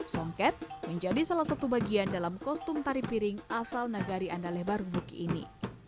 songket menjadi salah satu bagian dalam kostum tari piring asal nagari andalebar buki ini